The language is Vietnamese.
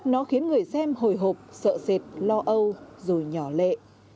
nó khiến người xem hồi hộp sợ sệt lo âu rồi nhỏ lệ